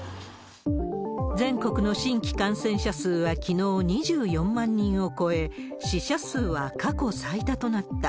全国の新規感染者数はきのう２４万人を超え、死者数は過去最多となった。